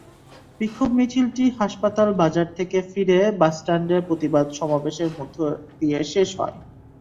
বিক্ষোভ মিছিলটি হাসপাতাল বাজার থেকে ফিরে বাসস্ট্যান্ডে প্রতিবাদ সমাবেশের মধ্য দিয়ে শেষ হয়।